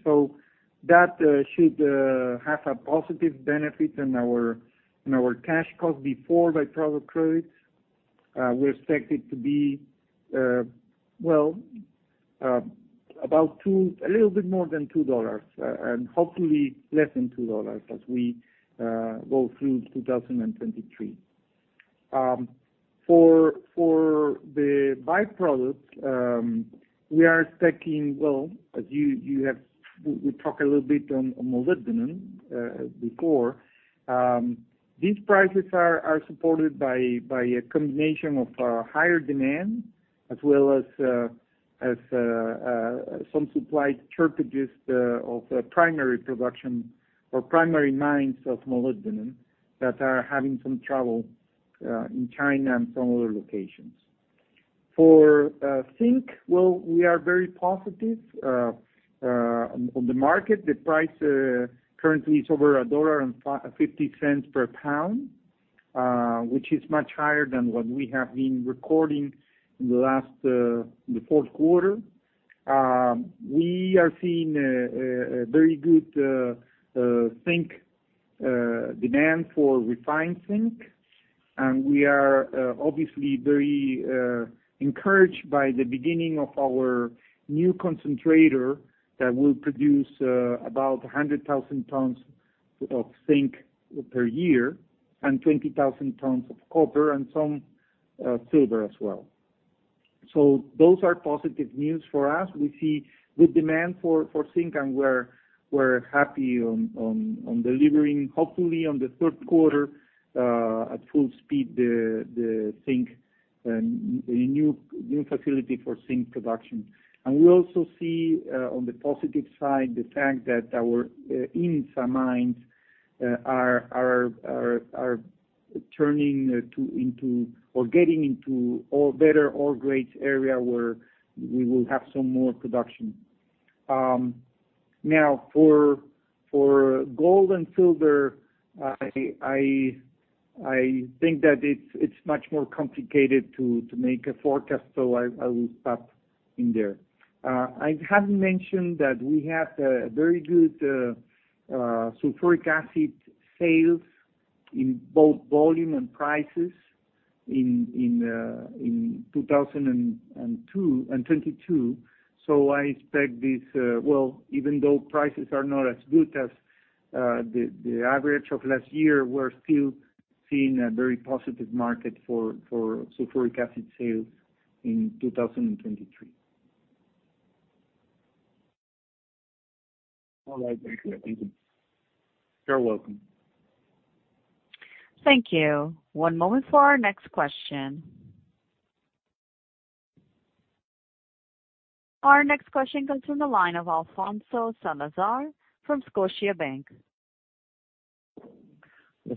That should have a positive benefit in our, in our cash cost before by-product credits. We expect it to be, well, a little bit more than $2, and hopefully less than $2 as we go through 2023. For the by-products, we are expecting, well, as you have, we talked a little bit on molybdenum before. These prices are supported by a combination of higher demand as well as some supply shortages of primary production or primary mines of molybdenum that are having some trouble in China and some other locations. For zinc, well, we are very positive on the market. The price currently is over $1.50 per pound, which is much higher than what we have been recording in the last fourth quarter. We are seeing a very good zinc demand for refined zinc, we are obviously very encouraged by the beginning of our new concentrator that will produce about 100,000 tons of zinc per year and 20,000 tons of copper and some silver as well. Those are positive news for us. We see good demand for zinc, and we're happy on delivering, hopefully in the third quarter, at full speed, the zinc and the new facility for zinc production. We also see on the positive side, the fact that our IMMSA mines are getting into all better ore grades area where we will have some more production. Now for gold and silver, I think that it's much more complicated to make a forecast, so I will stop in there. I have mentioned that we had very good sulfuric acid sales in both volume and prices in 2022, so I expect this, well, even though prices are not as good as the average of last year, we're still seeing a very positive market for sulfuric acid sales in 2023. All right. Thank you. You're welcome. Thank you. One moment for our next question. Our next question comes from the line of Alfonso Salazar from Scotiabank.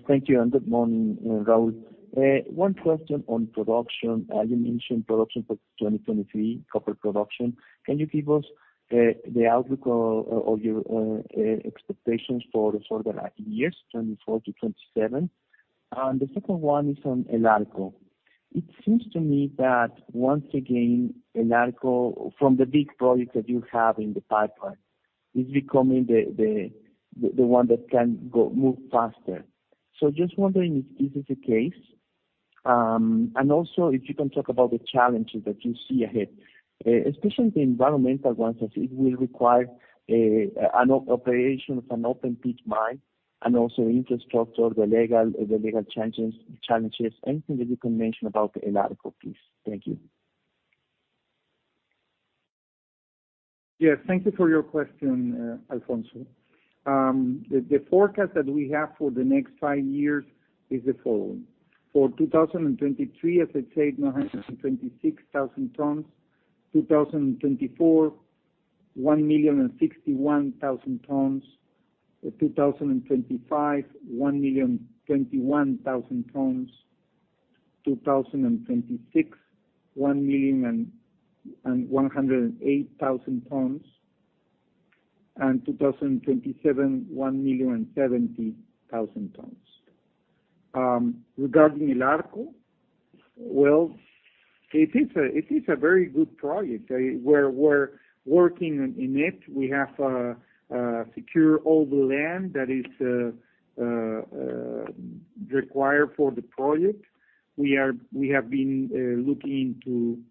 Thank you, good morning, Raul. One question on production. You mentioned production for 2023, copper production. Can you give us the outlook of your expectations for the next years, 2024-2027? The second one is on El Arco. It seems to me that once again, El Arco from the big projects that you have in the pipeline is becoming the one that can go, move faster. Just wondering if this is the case, and also if you can talk about the challenges that you see ahead, especially the environmental ones, as it will require an operation of an open pit mine and also infrastructure, the legal challenges. Anything that you can mention about El Arco, please. Thank you. Yes. Thank you for your question, Alfonso. The forecast that we have for the next five years is the following. As I said, 2023, 926,000 tons. 2024, 1,061,000 tons. 2025, 1,021,000 tons. 2026, 1,108,000 tons. 2027, 1,070,000 tons. Regarding El Arco, well, it is a very good project. We're working in it. We have secure all the land that is required for the project. We have been looking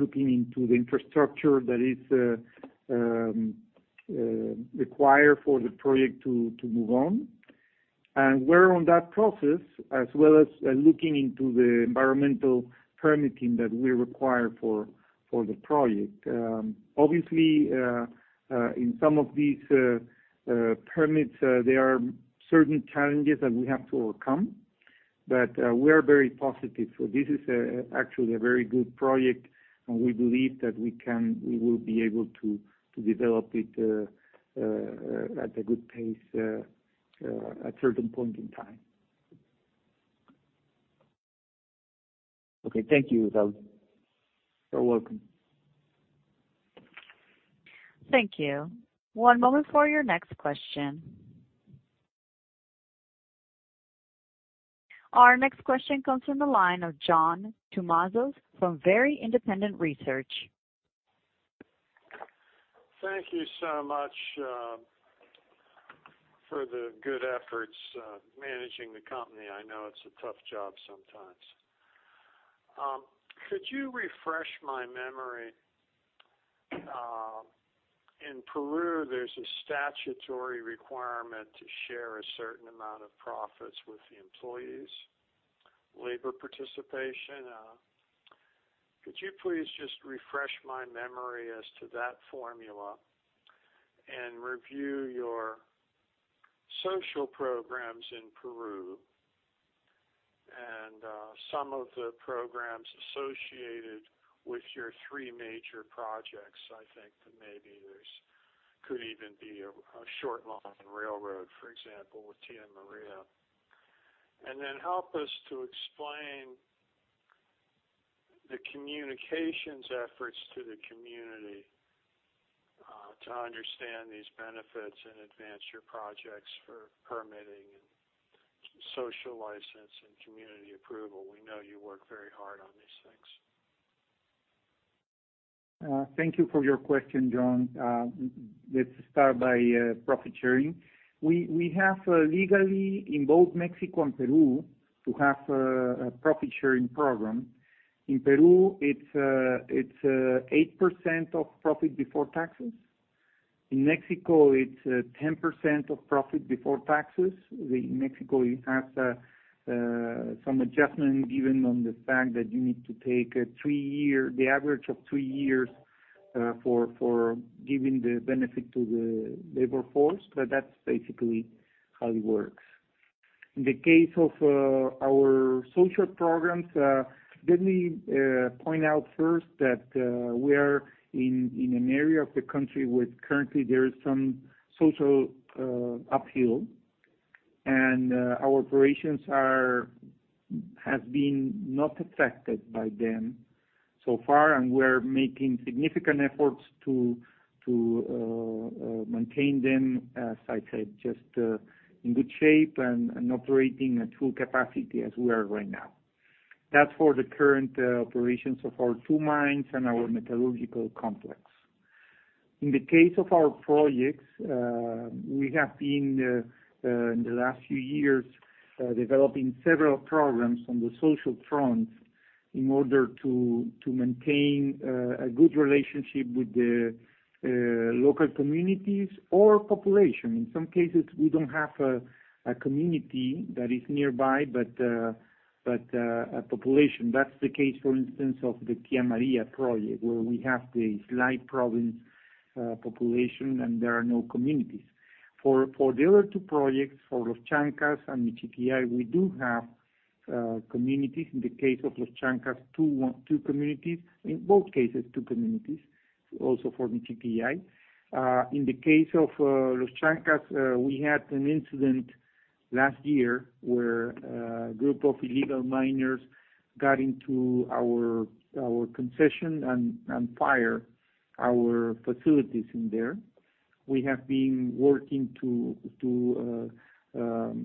into the infrastructure that is required for the project to move on. We're on that process as well as looking into the environmental permitting that we require for the project. Obviously, in some of these permits, there are certain challenges that we have to overcome, but we are very positive. This is actually a very good project, and we believe that we will be able to develop it at a good pace at certain point in time. Okay. Thank you, Raul. You're welcome. Thank you. One moment for your next question. Our next question comes from the line of John Tumazos from Very Independent Research. Thank you so much for the good efforts managing the company. I know it's a tough job sometimes. Could you refresh my memory? In Peru, there's a statutory requirement to share a certain amount of profits with the employees, labor participation. Could you please just refresh my memory as to that formula and review your social programs in Peru and some of the programs associated with your three major projects? I think that maybe there's could even be a short line railroad, for example, with Tia Maria. Help us to explain the communications efforts to the community to understand these benefits and advance your projects for permitting and social license and community approval. We know you work very hard on these things. Thank you for your question, John. Let's start by profit sharing. We have legally in both Mexico and Peru to have a profit sharing program. In Peru, it's 8% of profit before taxes. In Mexico, it's 10% of profit before taxes. Mexico has some adjustment given on the fact that you need to take a 3 year, the average of 3 years, for giving the benefit to the labor force. That's basically how it works. In the case of our social programs, let me point out first that we are in an area of the country where currently there is some social uphill, and our operations has been not affected by them so far, and we're making significant efforts to maintain them, as I said, just in good shape and operating at full capacity as we are right now. That's for the current operations of our two mines and our metallurgical complex. In the case of our projects, we have been in the last few years developing several programs on the social front in order to maintain a good relationship with the local communities or population. In some cases, we don't have a community that is nearby, but a population. That's the case, for instance, of the Tia Maria project, where we have the slight province, population, and there are no communities. For the other two projects for Los Chankas and Michiquillay, we do have communities. In the case of Los Chankas, two communities. In both cases, two communities also for Michiquillay. In the case of Los Chankas, we had an incident last year where a group of illegal miners got into our concession and fire our facilities in there. We have been working to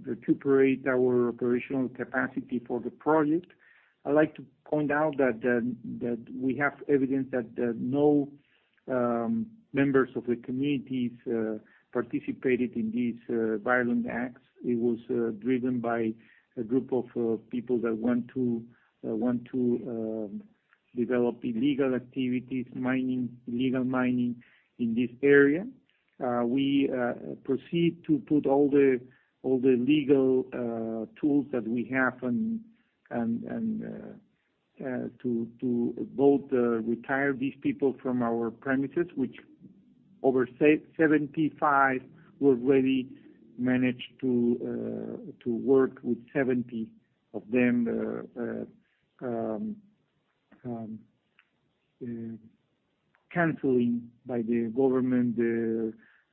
recuperate our operational capacity for the project. I'd like to point out that that we have evidence that no members of the communities participated in these violent acts. It was driven by a group of people that want to develop illegal activities, mining, illegal mining in this area. We proceed to put all the legal tools that we have and to both retire these people from our premises, which over 75 were already managed to work with 70 of them. Canceling by the government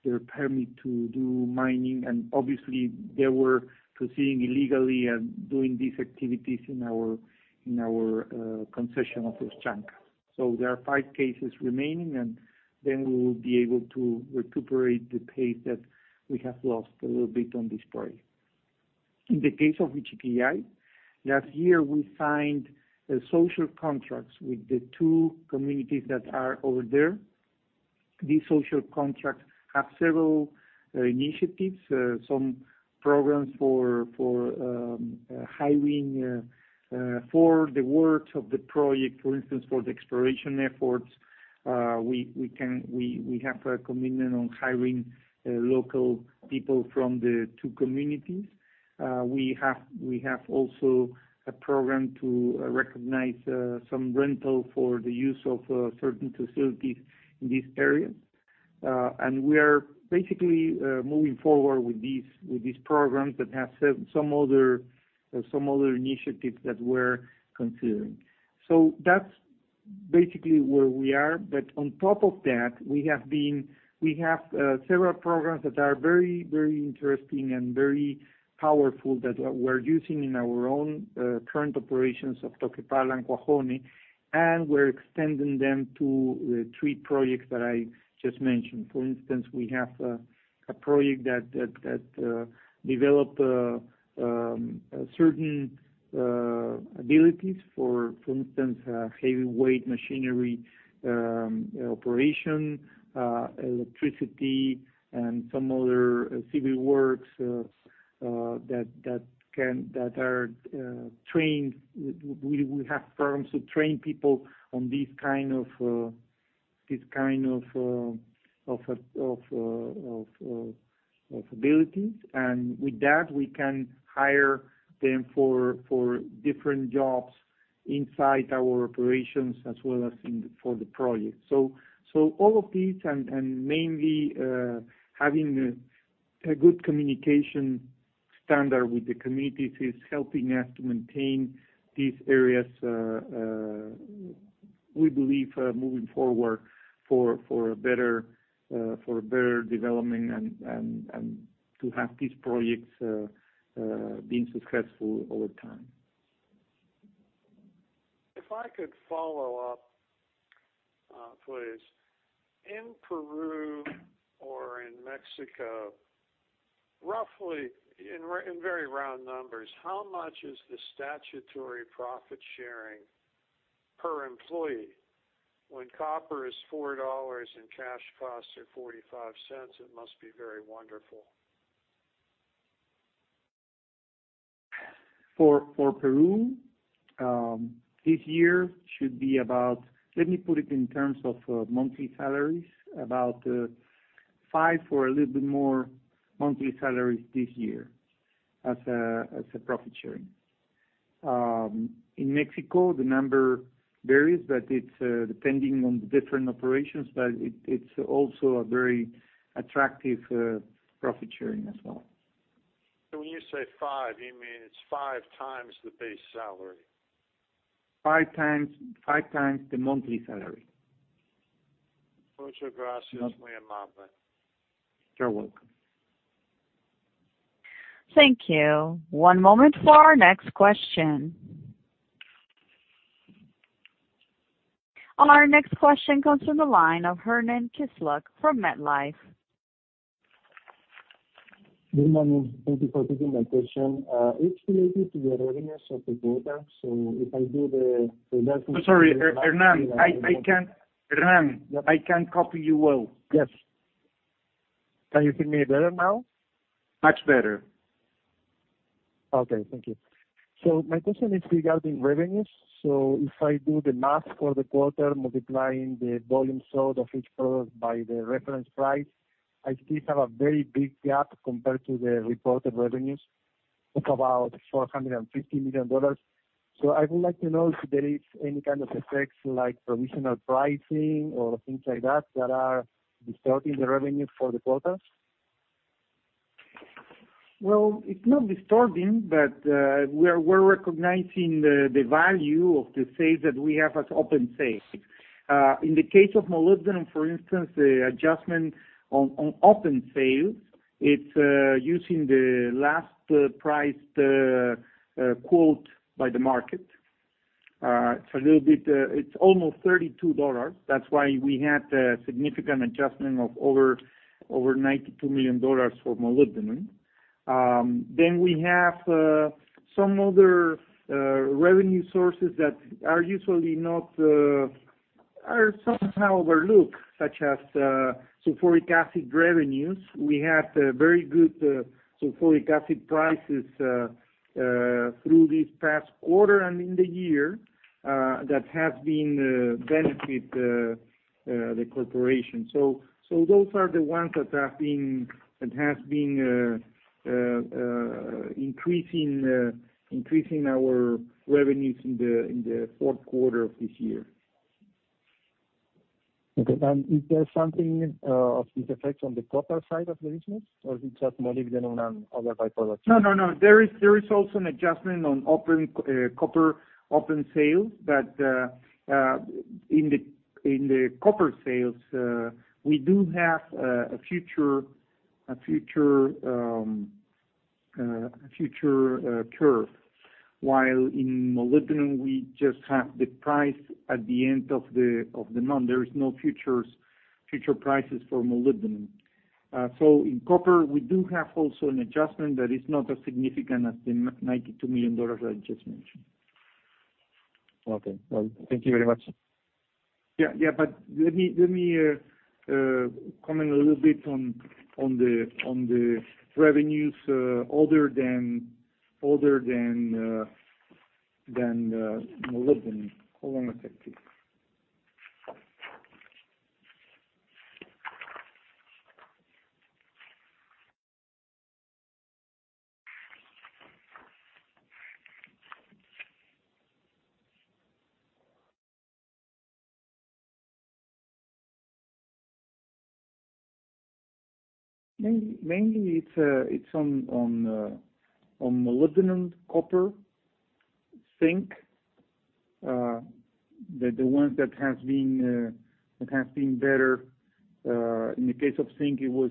their permit to do mining. Obviously they were proceeding illegally and doing these activities in our concession of Los Chankas. There are 5 cases remaining, and then we will be able to recuperate the pace that we have lost a little bit on this project. In the case of Michiquillay, last year we signed social contracts with the 2 communities that are over there. These social contracts have several initiatives, some programs for hiring for the works of the project, for instance, for the exploration efforts. We have a commitment on hiring local people from the two communities. We have also a program to recognize some rental for the use of certain facilities in these areas. We are basically moving forward with these programs that have some other initiatives that we're considering. That's basically where we are. On top of that, we have several programs that are very, very interesting and very powerful that we're using in our own current operations of Toquepala and Cuajone, and we're extending them to the three projects that I just mentioned. For instance, we have a project that developed certain abilities, for instance, heavyweight machinery, operation, electricity and some other civil works that are trained. We have firms who train people on these kind of this kind of abilities. With that, we can hire them for different jobs inside our operations as well as for the project. All of these and mainly, having a good communication standard with the communities is helping us to maintain these areas, we believe, moving forward for a better, for a better development and to have these projects being successful over time. If I could follow up, please. In Peru or in Mexico, roughly in very round numbers, how much is the statutory profit sharing per employee? When copper is $4 and cash costs are $0.45, it must be very wonderful. For Peru, this year should be. Let me put it in terms of monthly salaries, about 5 for a little bit more monthly salaries this year as a profit sharing. In Mexico the number varies, but it's depending on the different operations. It's also a very attractive profit sharing as well. When you say five, you mean it's 5x the base salary? 5x the monthly salary. Mucho gracias, mi amor. You're welcome. Thank you. One moment for our next question. Our next question comes from the line of Hernan Kisluk from MetLife. Good morning. Thank you for taking my question. It's related to the revenues of the quarter. If I do. I'm sorry, Hernan. Hernan, I can't copy you well. Yes. Can you hear me better now? Much better. Okay. Thank you. My question is regarding revenues. If I do the math for the quarter, multiplying the volume sold of each product by the reference price, I still have a very big gap compared to the reported revenues. It's about $450 million. I would like to know if there is any kind of effects like provisional pricing or things like that are distorting the revenue for the quarters. Well, it's not distorting, but we're recognizing the value of the sales that we have as open sales. In the case of molybdenum, for instance, the adjustment on open sales, it's using the last price quote by the market. It's a little bit, it's almost $32. That's why we had a significant adjustment of over $92 million for molybdenum. We have some other revenue sources that are usually not, are somehow overlooked, such as sulfuric acid revenues. We had very good sulfuric acid prices through this past quarter and in the year that has been benefit the corporation. Those are the ones that have been, that has been increasing our revenues in the fourth quarter of this year. Okay. Is there something of this effect on the copper side of the business or is it just molybdenum and other byproducts? No, no. There is also an adjustment on copper open sales. In the copper sales, we do have a future curve, while in molybdenum, we just have the price at the end of the month. There is no future prices for molybdenum. In copper, we do have also an adjustment that is not as significant as the $92 million I just mentioned. Okay. Well, thank you very much. Let me comment a little bit on the revenues other than molybdenum. Hold on a second. Mainly it's on molybdenum, copper, zinc, the ones that has been better. In the case of zinc, it was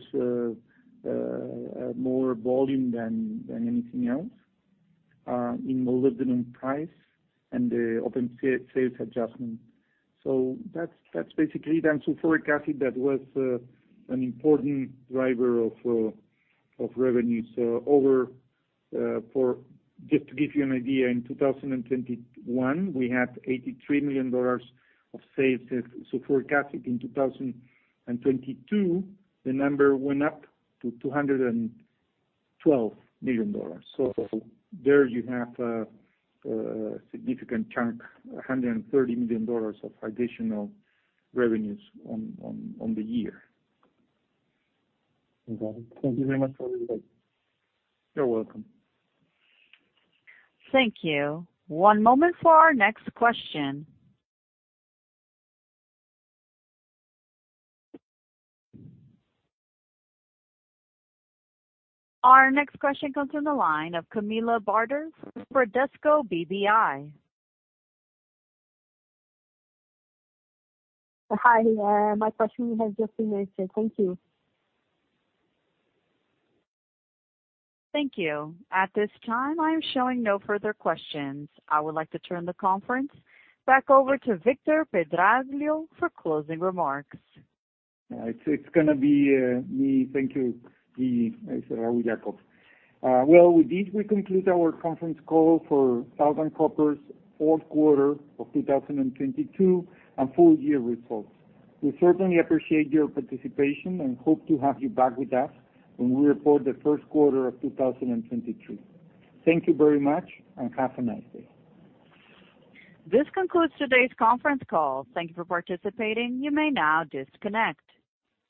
more volume than anything else in molybdenum price and the open sales adjustment. That's basically then sulfuric acid that was an important driver of revenues. Just to give you an idea, in 2021, we had $83 million of sales of sulfuric acid. In 2022, the number went up to $212 million. There you have a significant chunk, $130 million of additional revenues on the year. Okay. Thank you very much for the update. You're welcome. Thank you. One moment for our next question. Our next question comes from the line of Camilla Barder for Bradesco BBI. Hi. My question has just been answered. Thank you. Thank you. At this time, I am showing no further questions. I would like to turn the conference back over to Victor Pedraglio for closing remarks. It's gonna be me. Thank you. Me. I said Well, with this, we conclude our conference call for Southern Copper's Fourth Quarter of 2022 and Full Year Results. We certainly appreciate your participation and hope to have you back with us when we report the first quarter of 2023. Thank you very much, and have a nice day. This concludes today's conference call. Thank you for participating. You may now disconnect.